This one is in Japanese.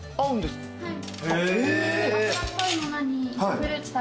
はい。